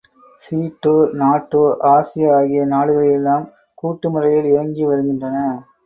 சீட்டோ NATO Asia ஆகிய நாடுகளெல்லாம் கூட்டு முறையில் இயங்கி வருகின்றன.